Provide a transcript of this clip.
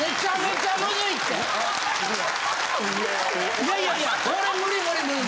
いやいやいやこれ無理無理。